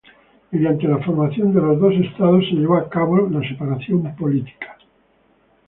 Mediante la formación de los dos Estados se llevó a cabo la separación política.